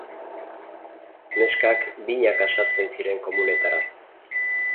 Neskak binaka sartzen ziren komunetara.